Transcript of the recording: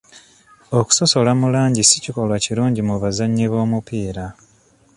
Okusosola mu langi si kikolwa kirungi mu bazannyi b'omupiira.